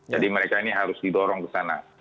jadi mereka ini harus didorong ke sana